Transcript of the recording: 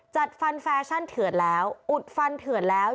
จัดฟันแฟชั่นเถื่อนแล้วอุดฟันเถื่อนแล้ว